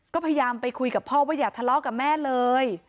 ก็พยายามไปคุยกับพ่อว่าอย่าทะเลาะกับแม่เลย